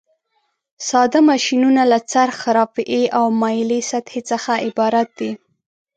ساده ماشینونه له څرخ، رافعې او مایلې سطحې څخه عبارت دي.